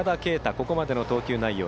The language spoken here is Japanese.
ここまでの投球内容。